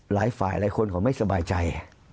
หลายฝ่ายหลายคนเขาไม่สบายใจ